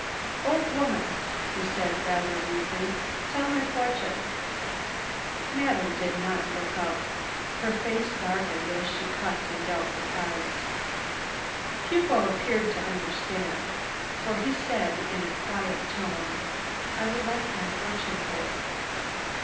"Old woman," he said rather rudely, "tell my fortune." Madame did not look up. Her face darkened as she cut and dealt the cards. Hugo appeared to understand, for he said in a quiet tone, "I would like my fortune told."